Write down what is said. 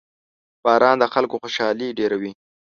• باران د خلکو خوشحالي ډېروي.